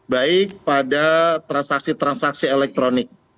baik pada transaksi transaksi elektronik